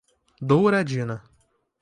Douradina